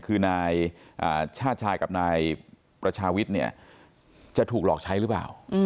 คือนายชาติชายกับนายประชาวิทย์เนี่ยจะถูกหลอกใช้หรือเปล่า